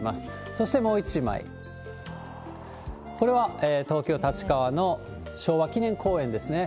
そして、もう１枚、これは東京・立川の昭和記念公園ですね。